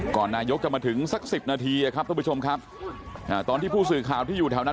นายกจะมาถึงสักสิบนาทีครับทุกผู้ชมครับตอนที่ผู้สื่อข่าวที่อยู่แถวนั้น